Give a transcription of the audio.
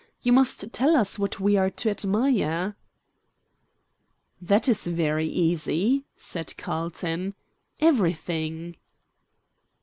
You must tell us what we are to admire." "That is very easy," said Carlton. "Everything."